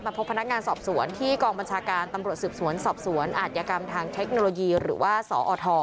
พบพนักงานสอบสวนที่กองบัญชาการตำรวจสืบสวนสอบสวนอาจยกรรมทางเทคโนโลยีหรือว่าสอท